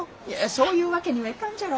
そういうわけにはいかんじゃろ。